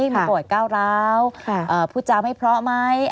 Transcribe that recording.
มีประวัติก้าวร้าวพูดจาไม่เพราะไหม